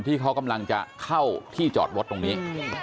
ที่เขากำลังจะเข้าที่จอดรถตรงนี้